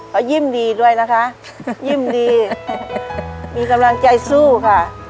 เขายิ้มดีด้วยนะคะยิ้มดีมีกำลังใจสู้ค่ะ